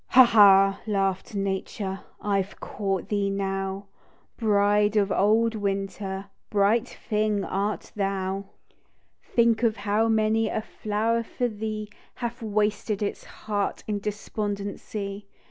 " Ha ! ha !" laugh'd Nature, " I've caught thee now ; Bride of old Winter, Bright thing, art thou ! THE DEW DEOP. 86 " Think of how many A flower for thee, Hath wasted its heart In despondency.